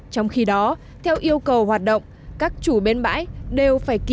trong khi đó theo yêu cầu hoạt động các chủ bến bãi đều phải ký kết